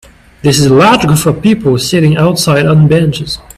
This is a large group of people sitting outside on benches.